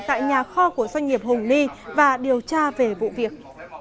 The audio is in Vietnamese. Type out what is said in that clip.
tại nhà kho của doanh nghiệp hùng ni và điều tra về vụ việc